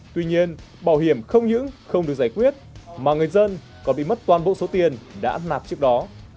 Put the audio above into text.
tuy nhiên bảo hiểm không những không được giải quyết mà người dân còn bị mất toàn bộ số tiền đã nạp trước đó